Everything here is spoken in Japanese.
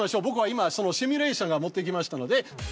僕は今そのシミュレーション持ってきましたので。